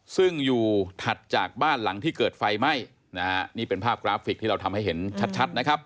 ซึ่งอยู่ถัดจากบ้านหลังที่เกิดไฟไหม้นะฮะนี่เป็นภาพกราฟิกที่เราทำให้เห็นชัดชัดนะครับ